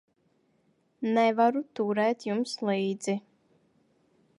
Nevaru turēt jums līdzi.